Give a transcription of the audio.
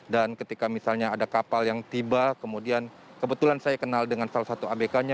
dan ketika misalnya ada kapal yang tiba kemudian kebetulan saya kenal dengan salah satu abk nya